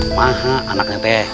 ampun anaknya t